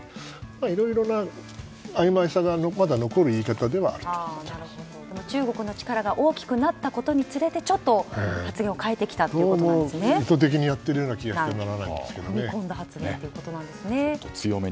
いろいろなあいまいさがまだ残る言い方ではあると中国の力が大きくなったことにつれてちょっと発言を意図的にやっているような踏み込んだ発言ということなんですね。